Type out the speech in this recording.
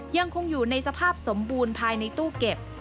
ยังคงอยู่ในสภาพสมบูรณ์ภายในตู้เก็บ